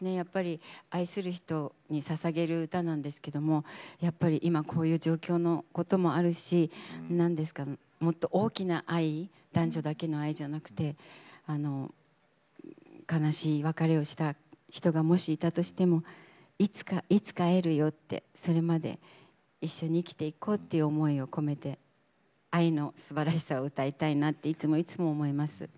愛する人にささげる歌なんですけどやっぱり今こういう状況のこともあるしもっと大きな愛、男女だけの愛ではなくて悲しい別れをした人がもし、いたとしてもいつかいつか会えるよってそれまで一緒に生きていこうという思いを込めて愛のすばらしさを歌いたいなといつもいつも思います。